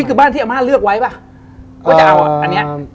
คือบ้านที่อาม่าเลือกไว้ป่ะว่าจะเอาอ่ะอันเนี้ย